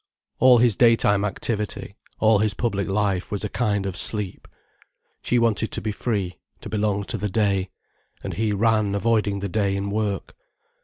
All his daytime activity, all his public life, was a kind of sleep. She wanted to be free, to belong to the day. And he ran avoiding the day in work.